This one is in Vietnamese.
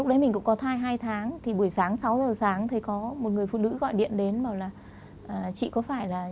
em nghe anh hay là em nghe cái người phụ nữ kia